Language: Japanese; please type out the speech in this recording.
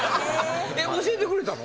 教えてくれたの？